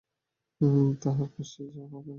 তাঁহার কাশী যাওয়া হইবে না।